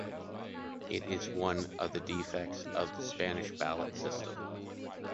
It is one of the defects of the Spanish ballot system.